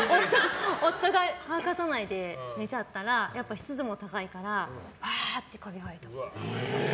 夫が乾かさないで寝ちゃったらやっぱ湿度も高いからわーって、カビ生えた。